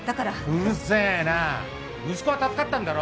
うるせぇな息子は助かったんだろ？